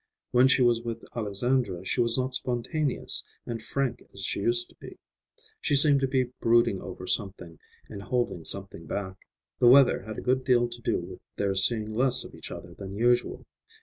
When she was with Alexandra she was not spontaneous and frank as she used to be. She seemed to be brooding over something, and holding something back. The weather had a good deal to do with their seeing less of each other than usual.